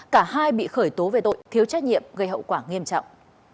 cả hai bị khởi tố về tội thiếu trách nhiệm gây hậu quả nghiêm trọng